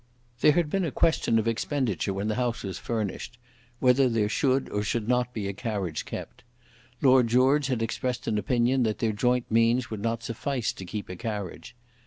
There had been a question of expenditure when the house was furnished, whether there should or should not be a carriage kept. Lord George had expressed an opinion that their joint means would not suffice to keep a carriage.